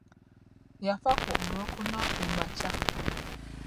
Yafa ku olwokuna kumakya.